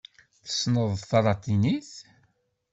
Tessneḍ talatinit?